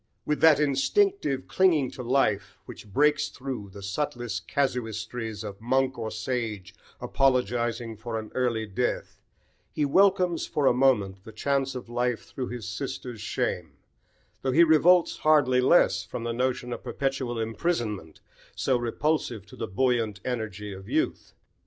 With that instinctive clinging to life, which breaks through the subtlest casuistries of monk or sage apologising for an early death, he welcomes for a moment the chance of life through his sister's shame, though he revolts hardly less from the notion of perpetual imprisonment so repulsive to the buoyant energy of youth.